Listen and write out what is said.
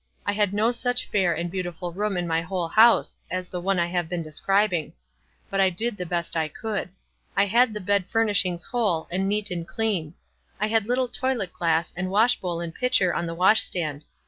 I had no such fair and beautiful room in my whole house as the one I have been describing; but I did the best I could. I had the bed fur nishings whole, and neat and clean. I had little WISE AND OTHEKWISE. 151 toilet glass and washbowl and pitcher on the wasbstand.